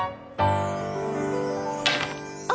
あ！